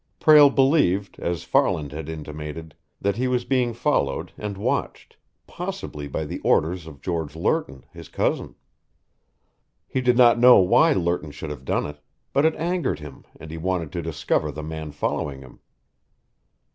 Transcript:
Prale believed, as Farland had intimated, that he was being followed and watched, possibly by the orders of George Lerton, his cousin. He did not know why Lerton should have done it, but it angered him, and he wanted to discover the man following him.